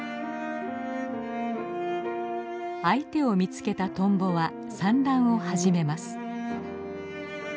相手を見つけたトンボは産卵を始めます。